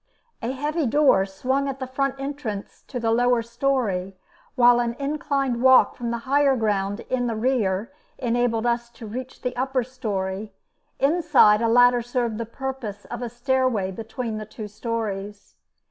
A heavy door swung at the front entrance to the lower story, while an inclined walk from higher ground in the rear enabled us to reach the upper story; inside, a ladder served the purpose of a stairway between the two stories.